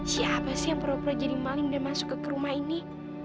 siapa sih yang pura pura jadi maling dan masuk ke rumah ini